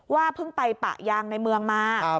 เพิ่งไปปะยางในเมืองมา